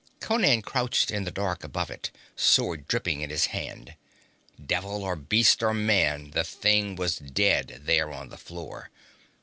Conan crouched in the dark above it, sword dripping in his hand. Devil or beast or man, the thing was dead there on the floor.